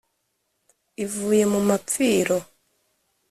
Ivuye mu mapfiro,